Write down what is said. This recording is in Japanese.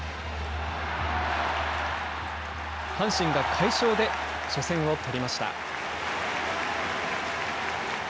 阪神が快勝で初戦を取りました。